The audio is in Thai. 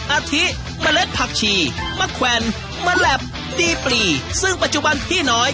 อาทิเมล็ดผักชีมะแขวนแมแหลบดีปรีซึ่งปัจจุบันพี่น้อย